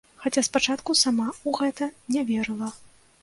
Хаця спачатку сама ў гэта не верыла.